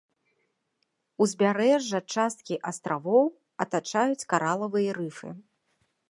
Узбярэжжа часткі астравоў атачаюць каралавыя рыфы.